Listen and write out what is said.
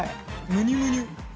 むにゅむにゅ。